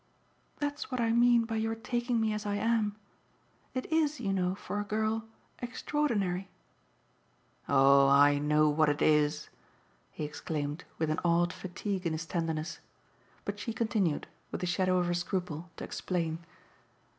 "That's what I mean by your taking me as I am. It IS, you know, for a girl extraordinary." "Oh I know what it is!" he exclaimed with an odd fatigue in his tenderness. But she continued, with the shadow of her scruple, to explain.